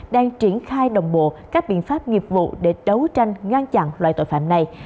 đang triển khai đồng bộ các biện pháp nghiệp vụ để đấu tranh ngăn chặn loại tội phạm này